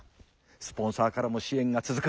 スポンサーからも支援が続く。